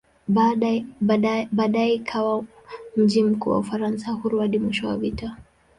Baadaye ikawa mji mkuu wa "Ufaransa Huru" hadi mwisho wa vita.